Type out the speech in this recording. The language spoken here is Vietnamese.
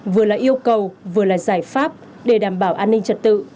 vừa là yêu cầu vừa là giải pháp để đảm bảo an ninh trật tự